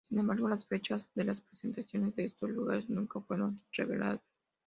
Sin embargo las fechas de las presentaciones de esos lugares nunca fueron revelados.